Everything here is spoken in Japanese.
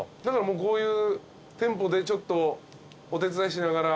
こういう店舗でちょっとお手伝いしながら。